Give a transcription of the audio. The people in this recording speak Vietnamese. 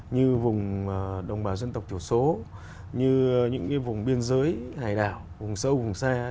như vùng đồng bào dân tộc thiểu số như những vùng biên giới hải đảo vùng sâu vùng xa